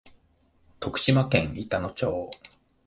徳島県板野町